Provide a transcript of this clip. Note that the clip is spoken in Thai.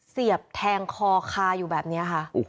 เสียบแทงคอคาอยู่แบบนี้ค่ะ